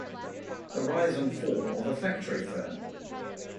The Rise and Fall of a Factory Firm.